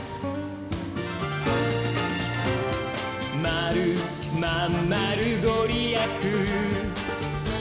「まるまんまるごりやく」